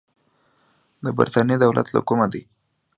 د برتانیې دولت له کومه دی.